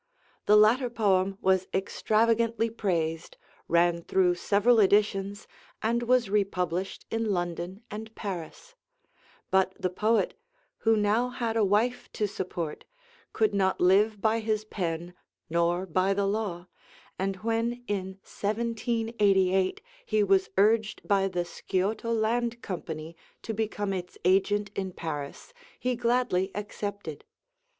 The latter poem was extravagantly praised, ran through several editions, and was republished in London and Paris; but the poet, who now had a wife to support, could not live by his pen nor by the law, and when in 1788 he was urged by the Scioto Land Company to become its agent in Paris, he gladly accepted.